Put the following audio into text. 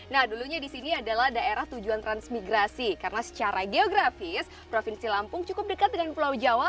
nah dulunya di sini adalah daerah tujuan transmigrasi karena secara geografis provinsi lampung cukup dekat dengan pulau jawa